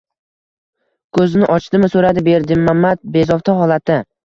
-Ko’zini ochdimi? – so’radi Berdimamat bezovta holatda.